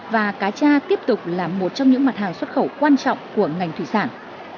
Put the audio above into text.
và cá cha tiếp tục là một trong những mặt hàng xuất khẩu quan trọng của ngành thủy sản